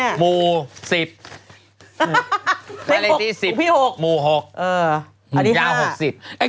หมู๑๐เลข๖หมู๖ยาว๖๐